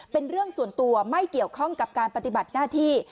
เป็นเรื่องส่วนตัวไม่เกี่ยวข้องกับการปฏิบัติหน้าที่